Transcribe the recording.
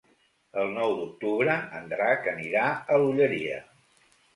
El nou d'octubre en Drac anirà a l'Olleria.